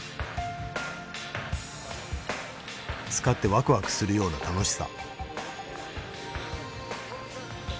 使ってワクワクするような楽しさ。